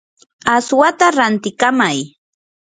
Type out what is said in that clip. aswata rantikamay.